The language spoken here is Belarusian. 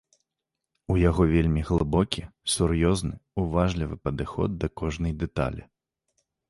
У яго вельмі глыбокі, сур'ёзны, уважлівы падыход да кожнай дэталі.